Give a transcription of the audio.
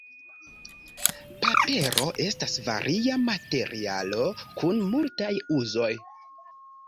Papero estas varia materialo kun multaj uzoj.